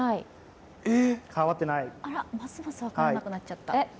ますます分からなくなっちゃった。